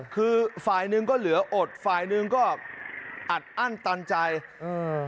คือฝ่ายหนึ่งก็เหลืออดฝ่ายหนึ่งก็อัดอั้นตันใจอืม